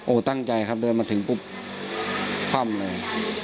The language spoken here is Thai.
ตั้งใจครับเดินมาถึงปุ๊บคว่ำเลย